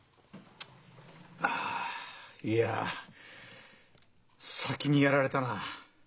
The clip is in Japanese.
あいや先にやられたな。